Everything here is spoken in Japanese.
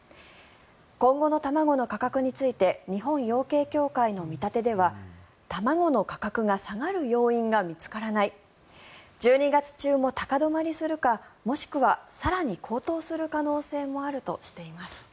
今後の卵の価格について日本養鶏協会の見立てでは卵の価格が下がる要因が見つからない１２月中も高止まりするかもしくは更に高騰する可能性もあるとしています。